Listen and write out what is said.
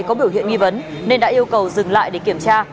có biểu hiện nghi vấn nên đã yêu cầu dừng lại để kiểm tra